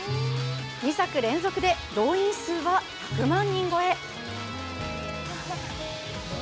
２作連続で動員数は１００万人超え。